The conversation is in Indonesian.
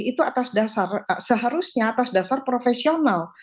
itu seharusnya atas dasar profesional